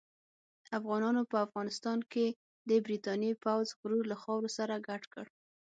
افغانانو په افغانستان کې د برتانیې پوځ غرور له خاورو سره ګډ کړ.